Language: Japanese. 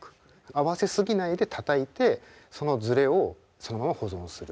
合わせ過ぎないでたたいてそのズレをそのまま保存する。